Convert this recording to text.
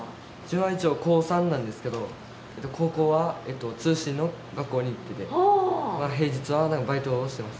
自分は一応高３なんですけど高校は通信の学校に行ってて平日はバイトをしてます。